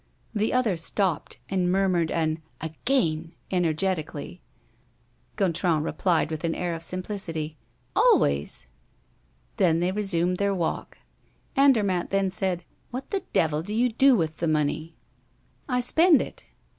The other stopped, and murmured an "Again!" energetically. Gontran replied, with an air of simplicity: "Always!" Then they resumed their walk. Andermatt then said: "What the devil do you do with the money?" "I spend it."